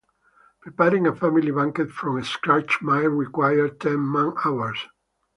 Preparing a family banquet from scratch might require ten man-hours.